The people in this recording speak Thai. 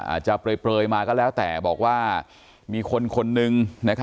อาจจะเปลยมาก็แล้วแต่บอกว่ามีคนคนนึง